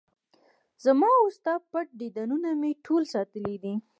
زما وستا پټ دیدنونه مې ټول ساتلي دي